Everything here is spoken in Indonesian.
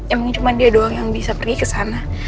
emangnya cuma dia doang yang bisa pergi ke sana